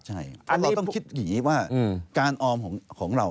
เพราะเราต้องคิดอย่างนี้ว่าการออมของเรา